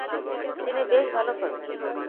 তিনি বেশ ভালো করবেন।